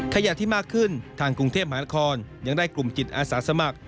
ขยะที่มากขึ้นทางกรุงเทพมหานครยังได้กลุ่มจิตอาสาสมัคร